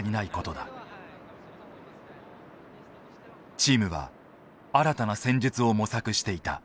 チームは新たな戦術を模索していた。